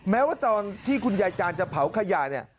แม้ว่าตอนที่คุณยายจานจะเผาขยะเนี่ย